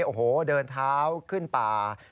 โอ้โหเดินเท้าขึ้นป่า